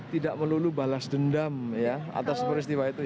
tidak melulu balas dendam ya atas peristiwa itu